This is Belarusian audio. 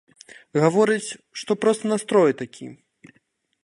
Гаворыць, што проста настрой такі.